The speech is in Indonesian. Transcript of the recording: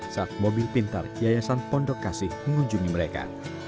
saat mobil pintar yayasan pondok kasih mengunjungi mereka